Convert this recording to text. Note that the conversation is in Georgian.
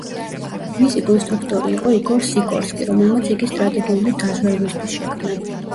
მისი კონსტრუქტორი იყო იგორ სიკორსკი, რომელმაც იგი სტრატეგიული დაზვერვისთვის შექმნა.